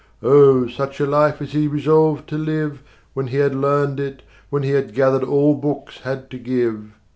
Oh, such a life as he resolved to live, When he had learned it, When he had gathered all books had to give!